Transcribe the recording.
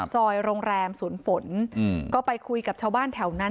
ซอยโรงแรมสวนฝนก็ไปคุยกับชาวบ้านแถวนั้น